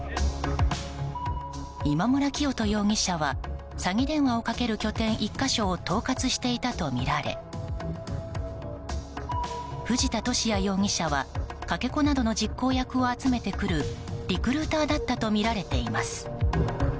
今村磨人容疑者は詐欺電話をかける拠点１か所を統括していたとみられ藤田聖也容疑者はかけ子などの実行役を集めてくるリクルーターだったとみられています。